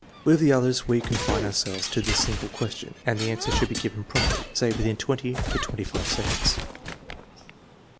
With the others we confine ourselves to the single question, and the answer should be given promptly, say within twenty to twenty five seconds.